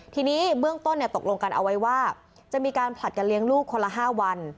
ทีนี้เบื้องต้นตกลงกันเอาไว้ว่าจะมีการผลัดกันเลี้ยงลูกคนละ๕วัน